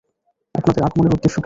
আপনাদের আগমনের উদ্দেশ্য কী?